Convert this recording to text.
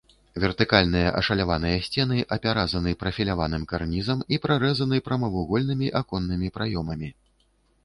Вертыкальныя ашаляваныя сцены апяразаны прафіляваным карнізам і прарэзаны прамавугольнымі аконнымі праёмамі.